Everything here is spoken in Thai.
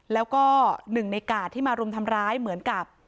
แล้วก็หนึ่งในกาดที่มารุมทำร้ายเหมือนกับ